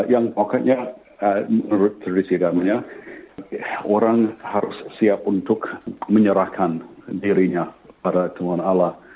yang pokoknya menurut tradisi agamanya orang harus siap untuk menyerahkan dirinya pada tuhan allah